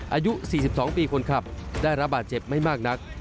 อายุ๔๒ปีคนขับได้รับบาดเจ็บไม่มากนัก